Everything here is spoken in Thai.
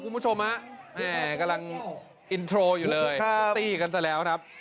คุณผู้ชมอ่ะแหงกำลังอยู่เลยครับตีกันตะแล้วนะครับ